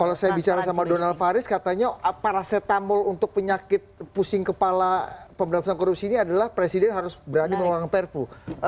kalau saya bicara sama donald faris katanya paracetamol untuk penyakit pusing kepala pemberantasan korupsi ini adalah presiden harus berani mengeluarkan perpu